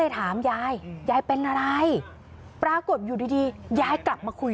ไม่อยากให้แม่เป็นอะไรไปแล้วนอนร้องไห้แท่ทุกคืน